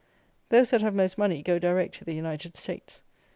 Those that have most money go direct to the United States.